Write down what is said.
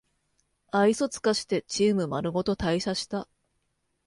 愛想つかしてチームまるごと退社した